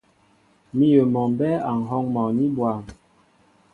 Míyə mɔ mbɛ́ɛ́ a ŋ̀hɔ́ŋ mɔní bwâm.